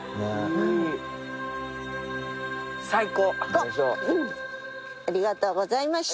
うんありがとうございました。